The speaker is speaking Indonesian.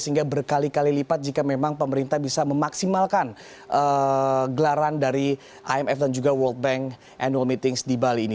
sehingga berkali kali lipat jika memang pemerintah bisa memaksimalkan gelaran dari imf dan juga world bank annual meetings di bali ini